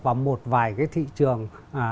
vào một vài cái thị trường